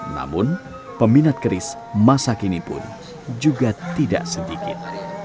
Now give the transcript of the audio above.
namun peminat keris masa kini pun juga tidak sedikit